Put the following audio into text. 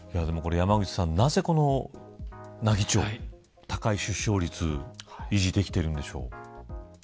山口さん、なぜ奈義町、高い出生率維持できているんでしょう。